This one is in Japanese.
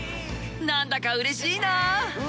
何だかうれしいな。